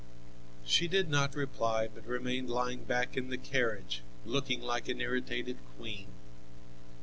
She did not reply, but remained lying back in the carriage, looking like an irritated queen.